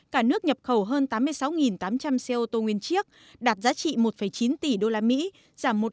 cả nước nhập khẩu hơn tám mươi sáu tám trăm linh xe ô tô nguyên chiếc đạt giá trị một chín tỷ usd